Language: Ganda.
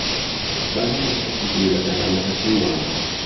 Balina obutategeeragana wakati waabwe.